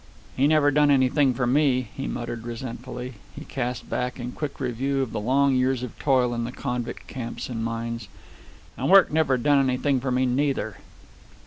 "He never done anything for me," he muttered resentfully. He cast back in quick review of the long years of toil in the convict camps and mines. "And work never done anything for me neither."